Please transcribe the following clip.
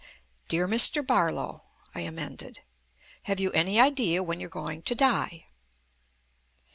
"'Dear Mr. Barlow,'" I amended, "'have you any idea when you're going to die?'